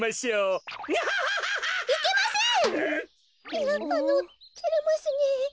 いやあのてれますねえ。